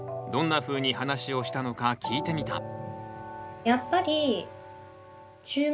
どんなふうに話をしたのか聞いてみた。